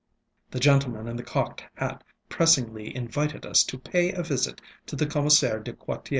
ŌĆ£The gentleman in the cocked hat pressingly invited us to pay a visit to the Commissaire du Quartier.